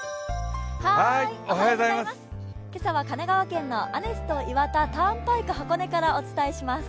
今朝は神奈川県のアネスト岩田ターンパイク箱根からお伝えします。